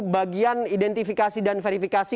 bagian identifikasi dan verifikasi